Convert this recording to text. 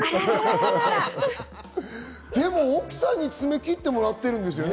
でも奥さんに爪を切ってもらってるんですよね？